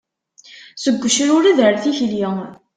Seg ucrured ar tikli.